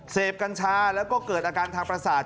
กัญชาแล้วก็เกิดอาการทางประสาท